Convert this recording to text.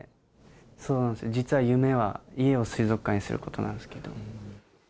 そうなんです、実は夢は家を水族館にすることなんですけどね。